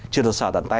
chưa được sở tận tay